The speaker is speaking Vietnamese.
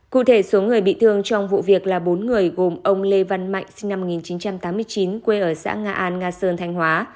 cụ thể số người bị thương trong vụ việc là bốn người gồm ông lê văn mạnh sinh năm một nghìn chín trăm tám mươi chín quê ở xã nga an nga sơn thanh hóa